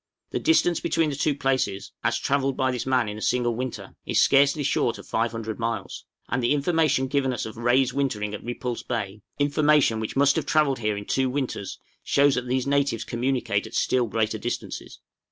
The distance between the two places, as travelled by this man in a single winter, is scarcely short of 500 miles; and the information given us of Rae's wintering at Repulse Bay, information which must have travelled here in two winters, shows that these natives communicate at still greater distances.